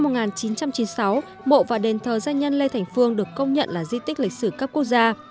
năm một nghìn chín trăm chín mươi sáu mộ và đền thờ gia nhân lê thành phương được công nhận là di tích lịch sử cấp quốc gia